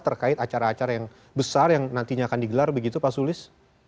terkait acara acara yang besar yang nantinya akan digelar begitu pak sulis